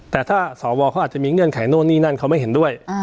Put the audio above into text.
แต่ถ้าสวเขาอาจจะมีเงื่อนไขโน่นนี่นั่นเขาไม่เห็นด้วย